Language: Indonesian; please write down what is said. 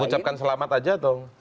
mengucapkan selamat aja dong